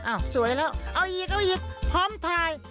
อ้าวสวยแล้วเอาอีกพร้อมถ่าย